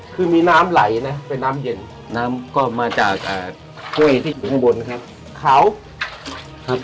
คือมีน้ำไหลนะเป็นน้ำเย็นน้ำก็มาจากห้วยที่อยู่ข้างบนครับเขาครับ